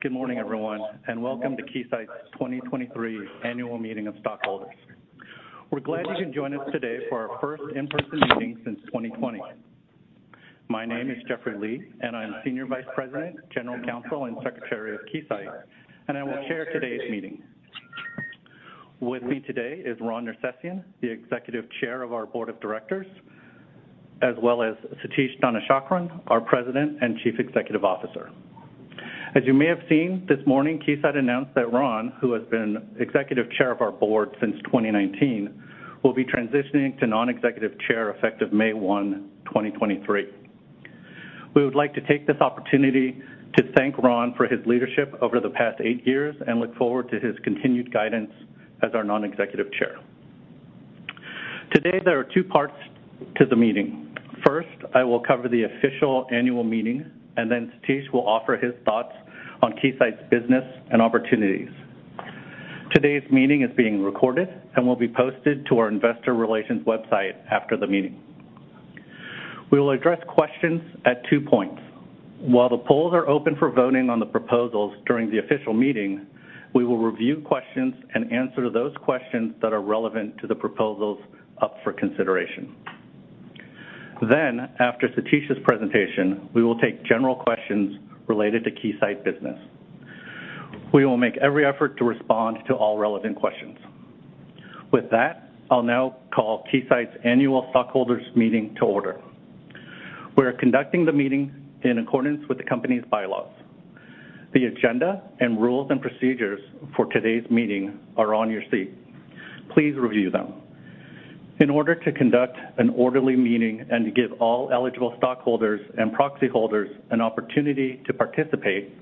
Good morning, everyone, and welcome to Keysight's 2023 Annual Meeting of Stockholders. We're glad you can join us today for our first in-person meeting since 2020. My name is Jeffrey Li, and I'm Senior Vice President, General Counsel, and Secretary of Keysight, and I will chair today's meeting. With me today is Ron Nersesian, the Executive Chair of our Board of Directors, as well as Satish Dhanasekaran, our President and Chief Executive Officer. As you may have seen this morning, Keysight announced that Ron, who has been Executive Chair of our board since 2019, will be transitioning to Non-Executive Chair effective May 1, 2023. We would like to take this opportunity to thank Ron for his leadership over the past eight years and look forward to his continued guidance as our Non-Executive Chair. Today, there are two parts to the meeting. First, I will cover the official annual meeting, and then Satish will offer his thoughts on Keysight's business and opportunities. Today's meeting is being recorded and will be posted to our investor relations website after the meeting. We will address questions at two points. While the polls are open for voting on the proposals during the official meeting, we will review questions and answer those questions that are relevant to the proposals up for consideration. After Satish's presentation, we will take general questions related to Keysight business. We will make every effort to respond to all relevant questions. With that, I'll now call Keysight's annual stockholders meeting to order. We are conducting the meeting in accordance with the company's bylaws. The agenda and rules and procedures for today's meeting are on your seat. Please review them. In order to conduct an orderly meeting and to give all eligible stockholders and proxy holders an opportunity to participate,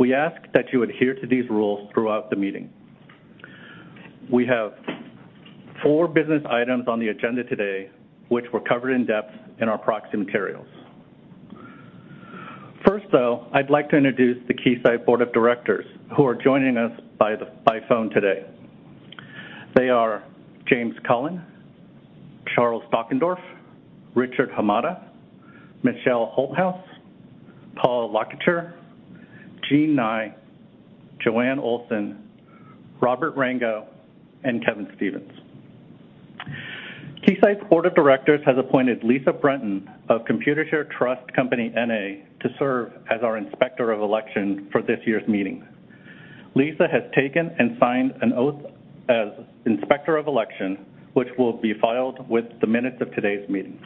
we ask that you adhere to these rules throughout the meeting. We have four business items on the agenda today, which were covered in-depth in our proxy materials. First, though, I'd like to introduce the Keysight Board of Directors who are joining us by phone today. They are James Cullen, Charles Dockendorff, Richard Hamada, Michelle Holthaus, Paul Lacouture, Jean Nye, Joanne Olsen, Robert Rango, and Kevin Stephens. Keysight's Board of Directors has appointed Lisa Brunton of Computershare Trust Company, N.A. to serve as our Inspector of Election for this year's meeting. Lisa has taken and signed an oath as Inspector of Election, which will be filed with the minutes of today's meeting.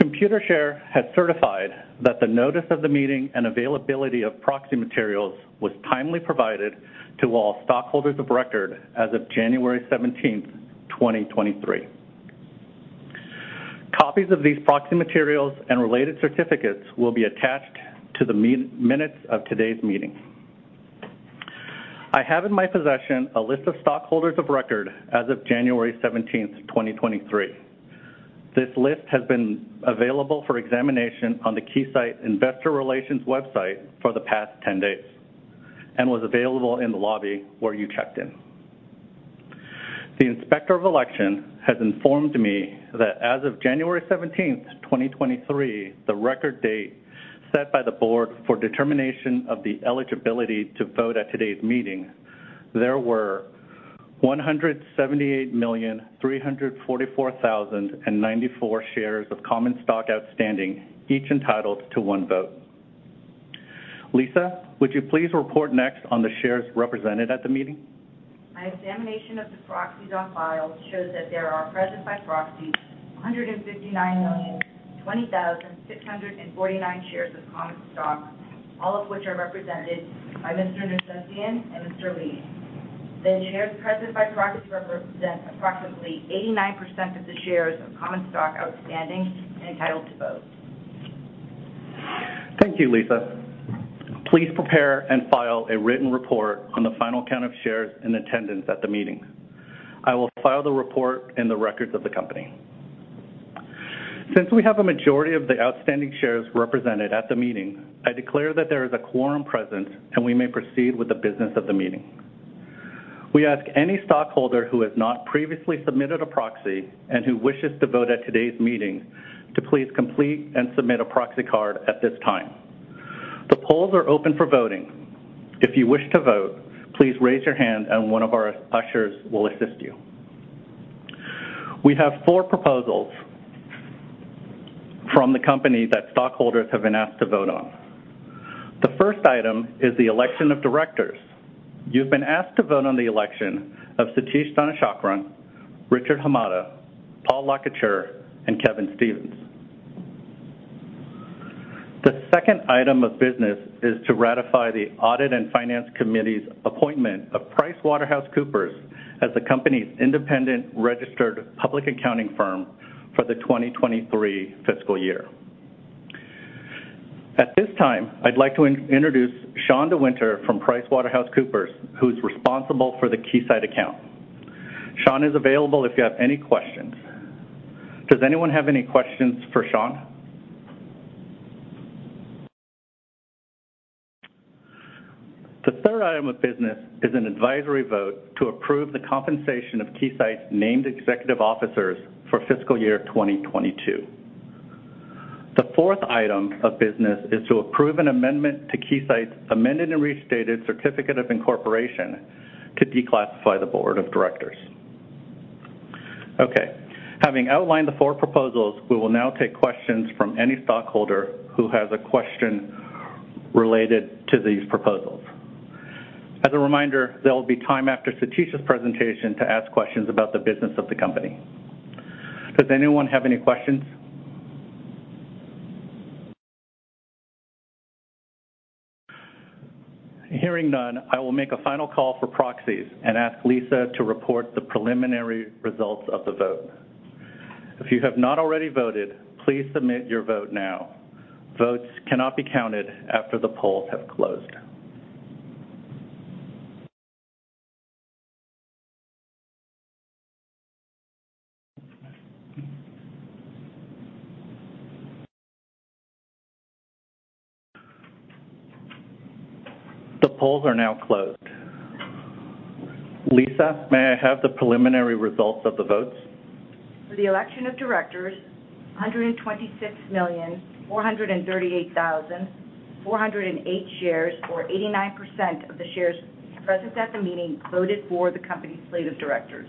Computershare has certified that the notice of the meeting and availability of proxy materials was timely provided to all stockholders of record as of January 17th, 2023. Copies of these proxy materials and related certificates will be attached to the minutes of today's meeting. I have in my possession a list of stockholders of record as of January 17, 2023. This list has been available for examination on the Keysight investor relations website for the past 10 days and was available in the lobby where you checked in. The Inspector of Election has informed me that as of January 17th, 2023, the record date set by the board for determination of the eligibility to vote at today's meeting, there were 178,344,094 shares of common stock outstanding, each entitled to one vote. Lisa, would you please report next on the shares represented at the meeting? My examination of the proxies on file shows that there are present by proxy 159,020,649 shares of common stock, all of which are represented by Mr. Nersesian and Mr. Li. The shares present by proxies represent approximately 89% of the shares of common stock outstanding and entitled to vote. Thank you, Lisa. Please prepare and file a written report on the final count of shares in attendance at the meeting. I will file the report in the records of the company. Since we have a majority of the outstanding shares represented at the meeting, I declare that there is a quorum present, and we may proceed with the business of the meeting. We ask any stockholder who has not previously submitted a proxy and who wishes to vote at today's meeting to please complete and submit a proxy card at this time. The polls are open for voting. If you wish to vote, please raise your hand, and one of our ushers will assist you. We have four proposals from the company that stockholders have been asked to vote on. The first item is the election of directors. You've been asked to vote on the election of Satish Dhanasekaran, Richard Hamada, Paul Lacouture, and Kevin Stephens. The second item of business is to ratify the Audit and Finance Committee's appointment of PricewaterhouseCoopers as the company's independent registered public accounting firm for the 2023 fiscal year. At this time, I'd like to introduce Sean de Winter from PricewaterhouseCoopers, who's responsible for the Keysight account. Sean is available if you have any questions. Does anyone have any questions for Sean? The third item of business is an advisory vote to approve the compensation of Keysight's named executive officers for fiscal year 2022. The fourth item of business is to approve an amendment to Keysight's amended and restated certificate of incorporation to declassify the board of directors. Okay, having outlined the four proposals, we will now take questions from any stockholder who has a question related to these proposals. As a reminder, there will be time after Satish's presentation to ask questions about the business of the company. Does anyone have any questions? Hearing none, I will make a final call for proxies and ask Lisa to report the preliminary results of the vote. If you have not already voted, please submit your vote now. Votes cannot be counted after the polls have closed. The polls are now closed. Lisa, may I have the preliminary results of the votes? For the election of directors, 126,438,408 shares, or 89% of the shares present at the meeting, voted for the company's slate of directors.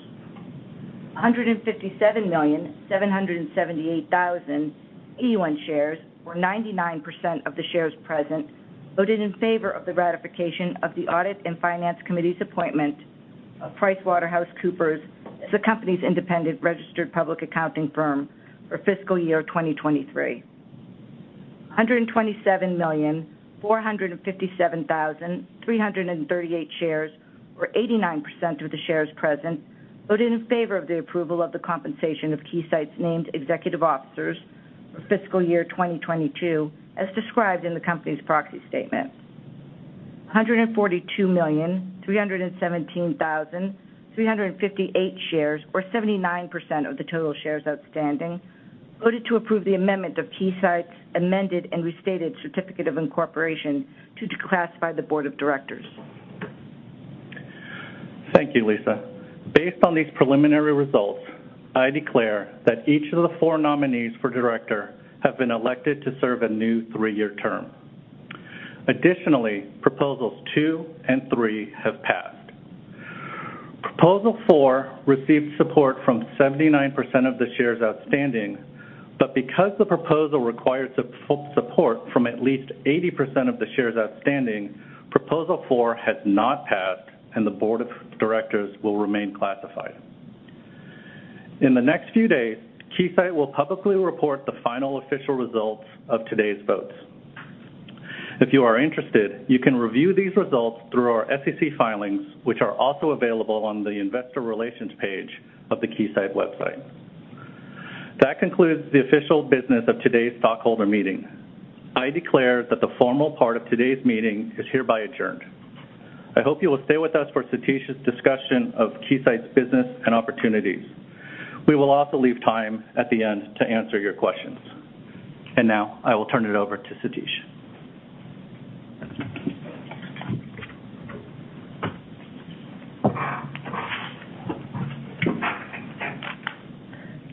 157,778,081 shares, or 99% of the shares present, voted in favor of the ratification of the Audit and Finance Committee's appointment of PricewaterhouseCoopers as the company's independent registered public accounting firm for fiscal year 2023. 127,457,338 shares, or 89% of the shares present, voted in favor of the approval of the compensation of Keysight's named executive officers for fiscal year 2022, as described in the company's proxy statement. 142,317,358 shares, or 79% of the total shares outstanding, voted to approve the amendment of Keysight's amended and restated certificate of incorporation to declassify the board of directors. Thank you, Lisa. Based on these preliminary results, I declare that each of the four nominees for director have been elected to serve a new three-year term. Proposals two and three have passed. Proposal four received support from 79% of the shares outstanding, but because the proposal requires support from at least 80% of the shares outstanding, Proposal four has not passed, and the board of directors will remain classified. In the next few days, Keysight will publicly report the final official results of today's votes. If you are interested, you can review these results through our SEC filings, which are also available on the Investor Relations page of the Keysight website. That concludes the official business of today's stockholder meeting. I declare that the formal part of today's meeting is hereby adjourned. I hope you will stay with us for Satish's discussion of Keysight's business and opportunities. We will also leave time at the end to answer your questions. Now I will turn it over to Satish.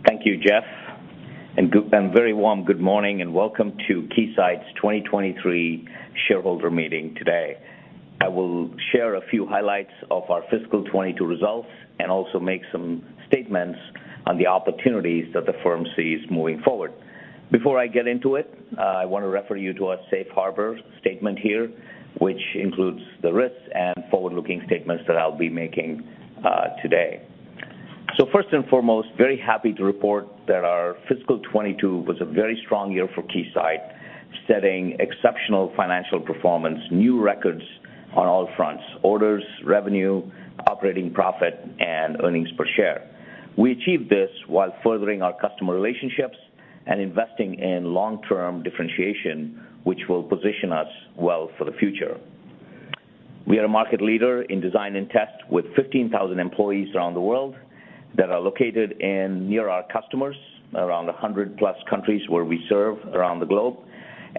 Thank you, Jeff. Very warm good morning and welcome to Keysight's 2023 shareholder meeting today. I will share a few highlights of our fiscal 2022 results and also make some statements on the opportunities that the firm sees moving forward. Before I get into it, I want to refer you to our safe harbor statement here, which includes the risks and forward-looking statements that I'll be making today. First and foremost, very happy to report that our fiscal 2022 was a very strong year for Keysight, setting exceptional financial performance, new records on all fronts: orders, revenue, operating profit, and earnings per share. We achieved this while furthering our customer relationships and investing in long-term differentiation, which will position us well for the future. We are a market leader in design and test with 15,000 employees around the world that are located in near our customers, around 100+ countries where we serve around the globe.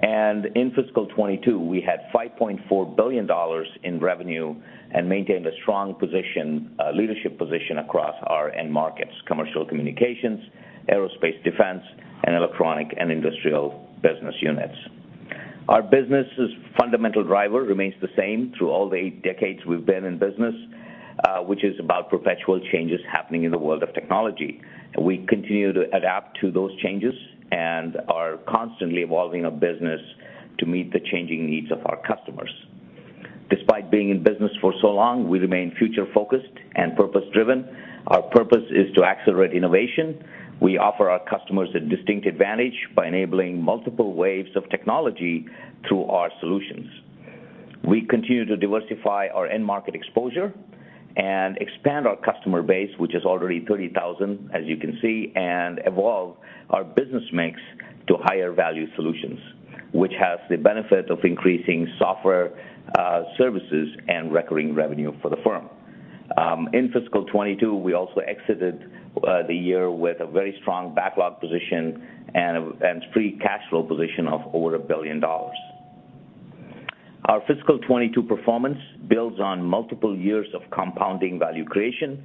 In fiscal 2022, we had $5.4 billion in revenue and maintained a strong position, leadership position across our end markets: commercial communications, aerospace defense, and electronic and industrial business units. Our business's fundamental driver remains the same through all the eight decades we've been in business, which is about perpetual changes happening in the world of technology. We continue to adapt to those changes and are constantly evolving our business to meet the changing needs of our customers. Despite being in business for so long, we remain future-focused and purpose-driven. Our purpose is to accelerate innovation. We offer our customers a distinct advantage by enabling multiple waves of technology through our solutions. We continue to diversify our end market exposure and expand our customer base, which is already 30,000, as you can see, and evolve our business mix to higher value solutions, which has the benefit of increasing software, services and recurring revenue for the firm. In fiscal 2022, we also exited the year with a very strong backlog position and free cash flow position of over a-billion dollar. Our fiscal 2022 performance builds on multiple years of compounding value creation.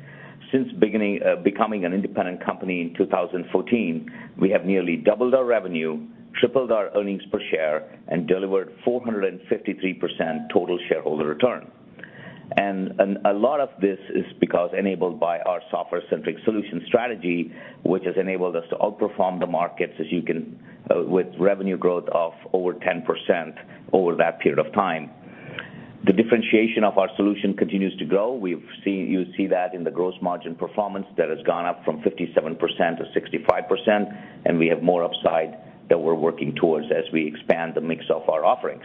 Since becoming an independent company in 2014, we have nearly doubled our revenue, tripled our earnings per share, and delivered 453% total shareholder return. A lot of this is because enabled by our software-centric solution strategy, which has enabled us to outperform the markets as you can, with revenue growth of over 10% over that period of time. The differentiation of our solution continues to grow. You see that in the gross margin performance that has gone up from 57% to 65%, and we have more upside that we're working towards as we expand the mix of our offerings.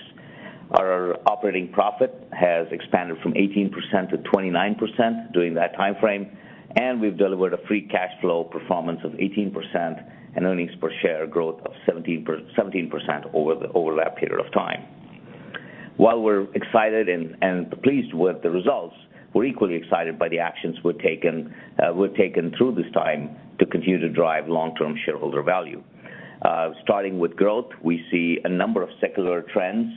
Our operating profit has expanded from 18% to 29% during that timeframe, and we've delivered a free cash flow performance of 18% and earnings per share growth of 17% over that period of time. While we're excited and pleased with the results, we're equally excited by the actions we've taken through this time to continue to drive long-term shareholder value. Starting with growth, we see a number of secular trends,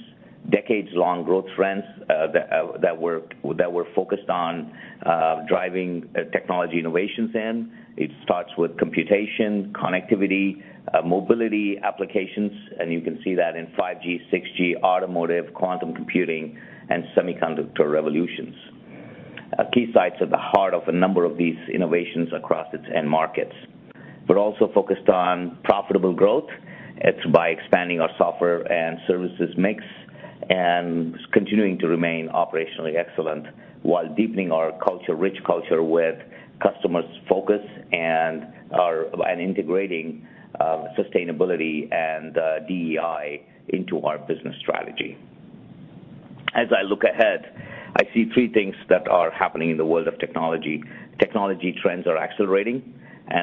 decades-long growth trends, that we're focused on driving technology innovations in. It starts with computation, connectivity, mobility applications, and you can see that in 5G, 6G, automotive, quantum computing, and semiconductor revolutions. Keysight's at the heart of a number of these innovations across its end markets. We're also focused on profitable growth. It's by expanding our software and services mix and continuing to remain operationally excellent while deepening our culture, rich culture with customers focus and integrating sustainability and DEI into our business strategy. As I look ahead, I see three things that are happening in the world of technology. Technology trends are accelerating,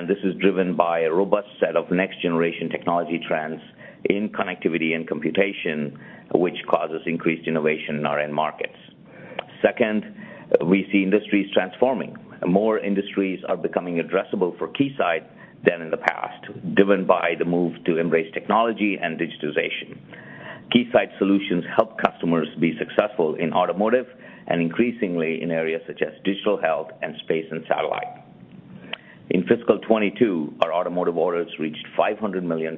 this is driven by a robust set of next-generation technology trends in connectivity and computation, which causes increased innovation in our end markets. Second, we see industries transforming. More industries are becoming addressable for Keysight than in the past, driven by the move to embrace technology and digitization. Keysight solutions help customers be successful in automotive and increasingly in areas such as digital health and space and satellite. In fiscal 2022, our automotive orders reached $500 million,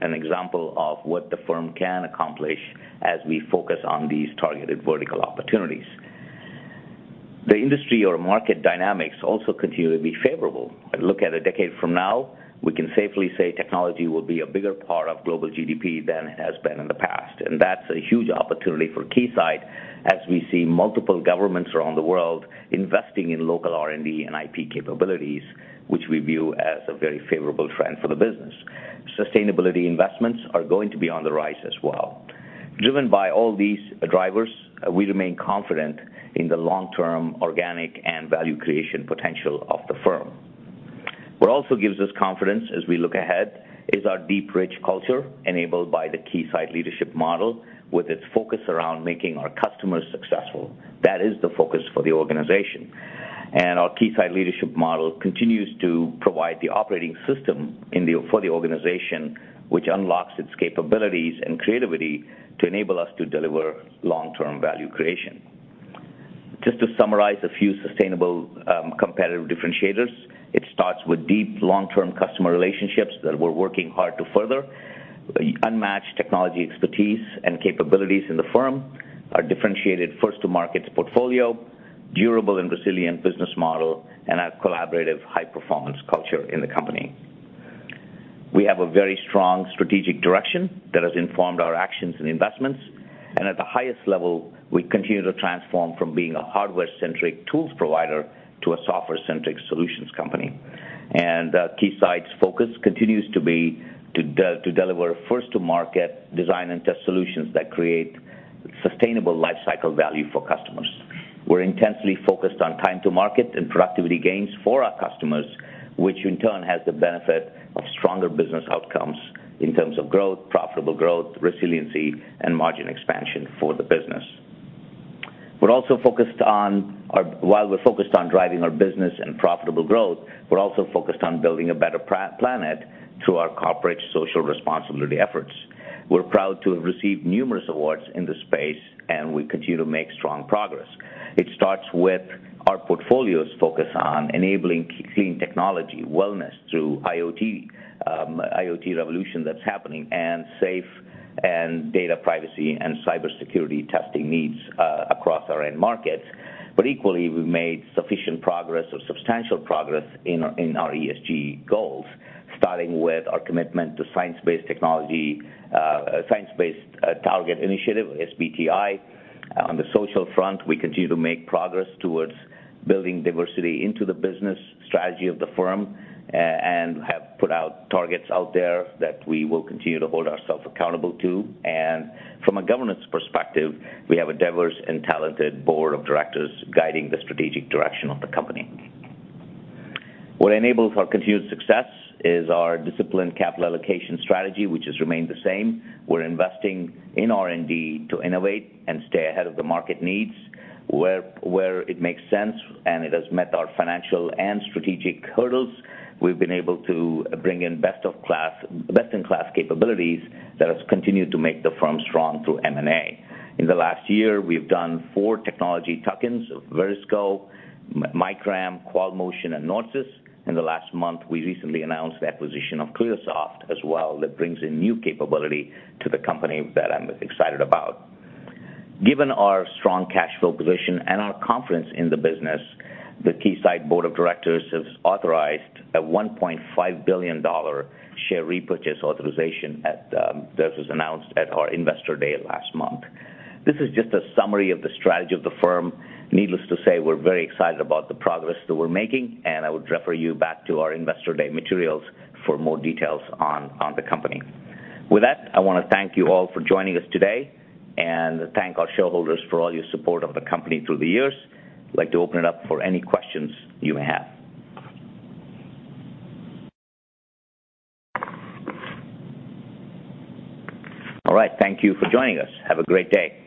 an example of what the firm can accomplish as we focus on these targeted vertical opportunities. The industry or market dynamics also continue to be favorable. Look at a decade from now, we can safely say technology will be a bigger part of global GDP than it has been in the past. That's a huge opportunity for Keysight as we see multiple governments around the world investing in local R&D and IP capabilities, which we view as a very favorable trend for the business. Sustainability investments are going to be on the rise as well. Driven by all these drivers, we remain confident in the long-term organic and value creation potential of the firm. What also gives us confidence as we look ahead is our deep, rich culture enabled by the Keysight Leadership Model with its focus around making our customers successful. That is the focus for the organization. Our Keysight Leadership Model continues to provide the operating system for the organization, which unlocks its capabilities and creativity to enable us to deliver long-term value creation. Just to summarize a few sustainable competitive differentiators, it starts with deep long-term customer relationships that we're working hard to further, unmatched technology expertise and capabilities in the firm, our differentiated first-to-markets portfolio, durable and resilient business model, and our collaborative high-performance culture in the company. We have a very strong strategic direction that has informed our actions and investments, at the highest level, we continue to transform from being a hardware-centric tools provider to a software-centric solutions company. Keysight's focus continues to be to deliver first-to-market design and test solutions that create sustainable life cycle value for customers. We're intensely focused on time to market and productivity gains for our customers, which in turn has the benefit of stronger business outcomes in terms of growth, profitable growth, resiliency, and margin expansion for the business. While we're focused on driving our business and profitable growth, we're also focused on building a better planet through our corporate social responsibility efforts. We're proud to have received numerous awards in this space. We continue to make strong progress. It starts with our portfolio's focus on enabling clean technology, wellness through IoT revolution that's happening, and safe and data privacy and cybersecurity testing needs across our end markets. Equally, we've made sufficient progress or substantial progress in our ESG goals, starting with our commitment to science-based target initiative, SBTI. On the social front, we continue to make progress towards building diversity into the business strategy of the firm, and have put out targets out there that we will continue to hold ourselves accountable to. From a governance perspective, we have a diverse and talented board of directors guiding the strategic direction of the company. What enables our continued success is our disciplined capital allocation strategy, which has remained the same. We're investing in R&D to innovate and stay ahead of the market needs. Where it makes sense, and it has met our financial and strategic hurdles, we've been able to bring in best-in-class capabilities that has continued to make the firm strong through M&A. In the last year, we've done four technology tuck-ins of Verisco, Micram, Quamotion, and Nordsys. In the last month, we recently announced the acquisition of Cliosoft as well. That brings a new capability to the company that I'm excited about. Given our strong cash flow position and our confidence in the business, the Keysight board of directors has authorized a $1.5 billion share repurchase authorization at, this was announced at our Investor Day last month. This is just a summary of the strategy of the firm. Needless to say, we're very excited about the progress that we're making, and I would refer you back to our Investor Day materials for more details on the company. With that, I wanna thank you all for joining us today and thank our shareholders for all your support of the company through the years. I'd like to open it up for any questions you may have. All right. Thank you for joining us. Have a great day.